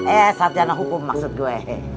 eh sarjana hukum maksud gue